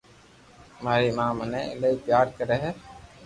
ماري ماِہ مني ايلائي پيار ڪري ھي